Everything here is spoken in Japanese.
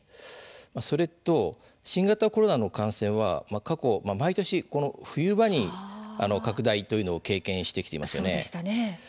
それと新型コロナの感染は過去、毎年冬場に拡大というのを経験してきています。